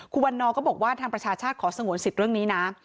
คุณวันนอร์ก็บอกว่าทางประชาชาติขอสงวนสิทธิ์เรื่องนี้นะ